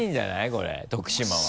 これ徳島は。